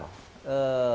secara rutin gitu ya